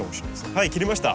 はい切りました。